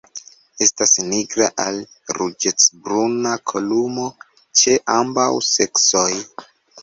Estas nigra al ruĝecbruna kolumo ĉe ambaŭ seksoj.